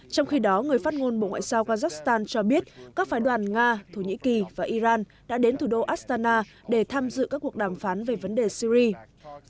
trong khi đó người phát ngôn bộ ngoại giao kazakhstan cho biết các phái đoàn nga thổ nhĩ kỳ và iran đã đến với các cấp ủy đảng để tìm hiểu về tình hình syri tại thủ đô astana của kazakhstan